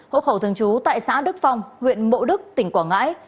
hộ khẩu thường trú tại xã đức phong huyện mộ đức tỉnh quảng ngãi